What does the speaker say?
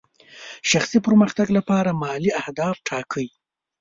شخصي پرمختګ لپاره مالي اهداف ټاکئ.